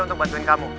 untuk bantuin kamu